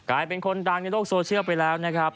กลายเป็นคนดังในโลกโซเชียลไปแล้วนะครับ